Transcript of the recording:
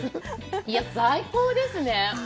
いや最高ですね。